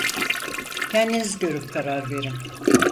Kendiniz görüp karar verin!